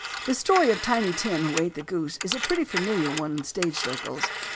The story of Tiny Tim who ate the goose is a pretty familiar one in stage circles.